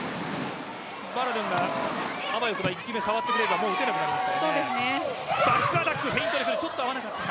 バラドゥンが、あわよくば１球目触ってくれればもう打てなくなります。